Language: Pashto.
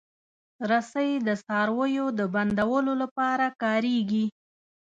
رسۍ د څارویو د بندولو لپاره کارېږي.